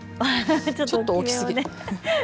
ちょっと大きすぎ。